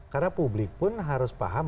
karena publik pun harus paham